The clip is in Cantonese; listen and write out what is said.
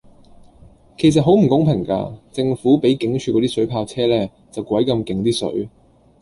其實好唔公平架，政府比警署嗰啲水炮車呢就咁鬼勁啲水